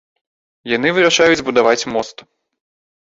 Яны вырашаюць збудаваць мост.